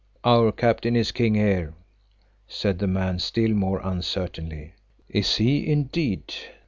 "Our Captain is King here," said the man still more uncertainly. "Is he indeed?